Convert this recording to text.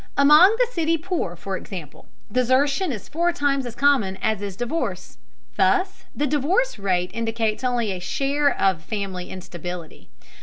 Among the city poor, for example, desertion is four times as common as is divorce. Thus the divorce rate indicates only a share of family instability.